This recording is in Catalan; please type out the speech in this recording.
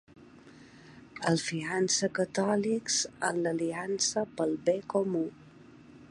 El finança Catòlics en l'Aliança pel Bé Comú.